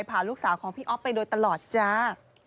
พาลูกสาวของพี่อ๊อฟไปโดยตลอดจ้า